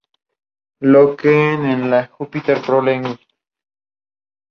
La Federación de Estudiantes nuclea a veintidós Centros de Estudiantes de diversas carreras.